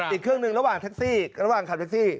อีกเครื่องหนึ่งระหว่างแท็กซี่ระหว่างขับแท็กซี่